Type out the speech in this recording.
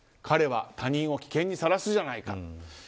彼は他人を危険にさらすじゃないか。